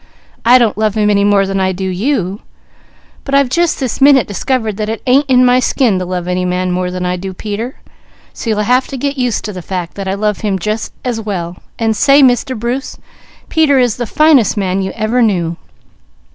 I don't love him any more than I do you; but I've just this minute discovered that it ain't in my skin to love any man more than I do Peter; so you'll have to get used to the fact that I love him just as well, and say, Mr. Bruce, Peter is the finest man you ever knew.